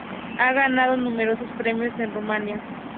Ha ganado numerosos premios en Rumania.